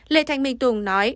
lê thanh minh tùng nói